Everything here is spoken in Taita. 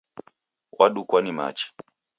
Wadukwa ni machi